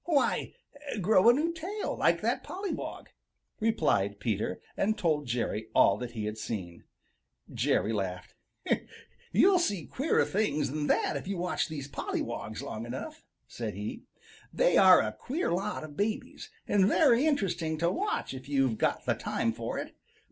"Why, grow a new tail like that pollywog," replied Peter, and told Jerry all that he had seen. Jerry laughed. "You'll see queerer things than that if you watch those pollywogs long enough," said he. "They are a queer lot of babies, and very interesting to watch if you've got the time for it.